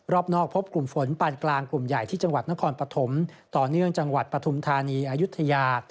รอบนอกพบกลุ่มฝนปานกลางกลุ่มใหญ่ที่จังหวัดนครปฐมต่อเนื่องจังหวัดปฐุมธานีอายุทยา